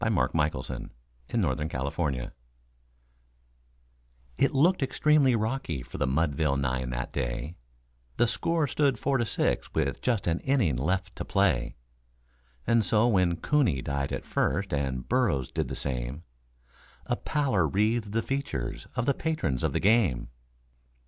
CASEY AT THE BAT BY ERNEST LAWRENCE THAYER It looked extremely rocky for the Mudville nine that day: The score stood four to six with just an inning left to play; And so, when Cooney died at first, and Burrows did the same, A pallor wreathed the features of the patrons of the game.